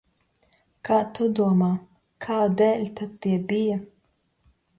Kā tu domā, kā dēļ tad tie bija?